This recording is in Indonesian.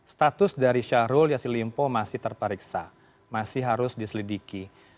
status dari syahrul yassin limpo masih terperiksa masih harus diselidiki